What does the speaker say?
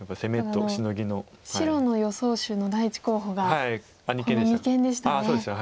ただ白の予想手の第１候補がこの二間でしたね